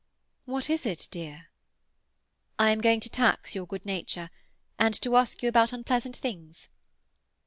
"What is it, dear?" "I am going to tax your good nature, to ask you about unpleasant things."